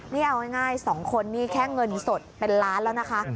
นี่เอาง่าย๒คนนี่แค่เงินสดเป็นล้านแล้วนะคะ